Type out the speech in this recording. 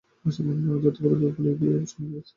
যুদ্ধ-পরবর্তী বলিভীয় সমাজব্যবস্থায় এর প্রভাব পড়ে।